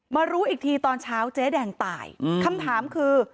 รู้อีกทีตอนเช้าเจ๊แดงตายคำถามคือ